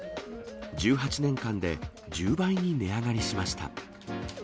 １８年間で１０倍に値上がりしました。